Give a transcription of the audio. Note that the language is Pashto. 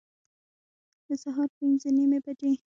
د سهار پنځه نیمي بجي